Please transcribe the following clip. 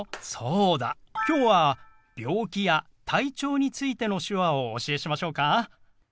そうだ今日は病気や体調についての手話をお教えしましょうか？